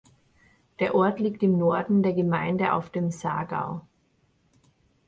Der Ort liegt im Norden der Gemeinde auf dem Saargau.